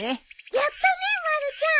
やったねまるちゃん。